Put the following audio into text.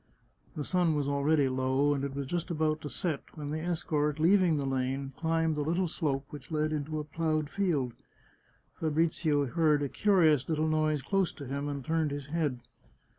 The sun was already low, and it was just about to set, when the escort, leaving the lane, climbed a little slope which led into a ploughed field. Fabrizio heard a curious little noise close to him, and turned his head.